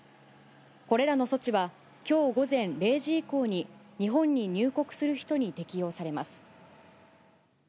これらの措置は、きょう午前０時以降に、日本に入国する人に適用されます。